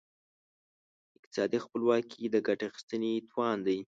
اقتصادي خپلواکي د ګټې اخیستنې توان دی.